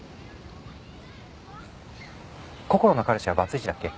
こころの彼氏はバツイチだっけ？